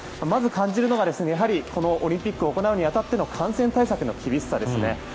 まず感じるのがオリンピックを行うに当たっての感染対策の厳しさですね。